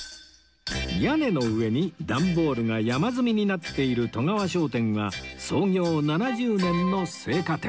屋根の上に段ボールが山積みになっている外川商店は創業７０年の青果店